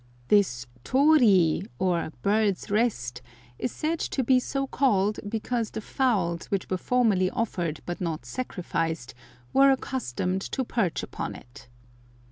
This torii, or "birds' rest," is said to be so called because the fowls, which were formerly offered but not sacrificed, were accustomed to perch upon it.